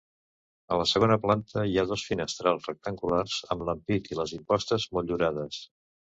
A la segona planta hi ha dos finestrals rectangulars, amb l'ampit i les impostes motllurades.